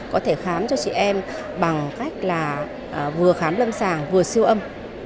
có thể khám cho chị em bằng cách là vừa khám lâm sàng vừa siêu âm